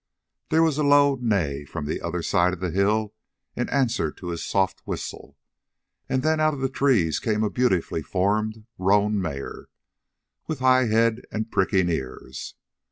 There was a low neigh from the other side of the hill in answer to his soft whistle, and then out of the trees came a beautifully formed roan mare, with high head and pricking ears.